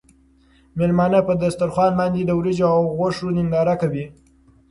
مېلمانه په دسترخوان باندې د وریجو او غوښو ننداره کوي.